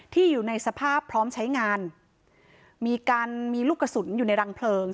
อยู่ในสภาพพร้อมใช้งานมีการมีลูกกระสุนอยู่ในรังเพลิง